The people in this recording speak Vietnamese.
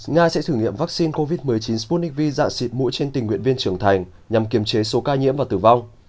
nga sẽ thử nghiệm vaccine covid một mươi chín sputnik vạ xịt mũi trên tình nguyện viên trưởng thành nhằm kiềm chế số ca nhiễm và tử vong